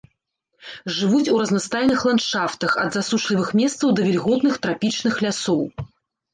Жывуць у разнастайных ландшафтах, ад засушлівых месцаў да вільготных трапічных лясоў.